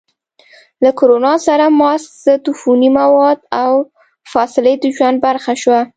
له کرونا سره ماسک، ضد عفوني مواد، او فاصلې د ژوند برخه شوه.